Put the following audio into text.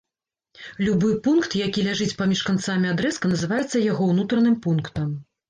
Любы пункт, які ляжыць паміж канцамі адрэзка, называецца яго ўнутраным пунктам.